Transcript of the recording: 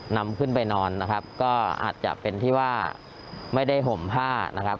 นำขึ้นไปนอนนะครับก็อาจจะเป็นที่ว่าไม่ได้ห่มผ้านะครับ